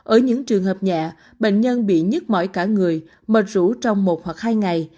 ở những trường hợp nhẹ bệnh nhân bị nhức mỏi cả người mệt rủ trong một hoặc hai ngày